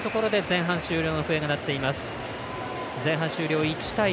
前半終了１対０。